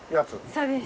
そうです。